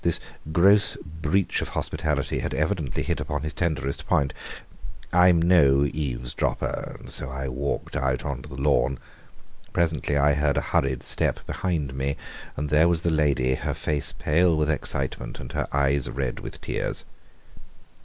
This gross breach of hospitality had evidently hit upon his tenderest point. I am no eavesdropper, so I walked out on to the lawn. Presently I heard a hurried step behind me, and there was the lady, her face pale with excitement, and her eyes red with tears.